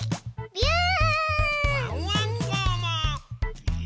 ビューン！